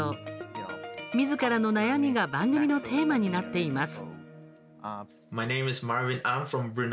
みずからの悩みが番組のテーマになっています。